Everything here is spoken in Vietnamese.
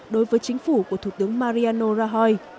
đối với chính phủ của thủ tướng mariano rajoy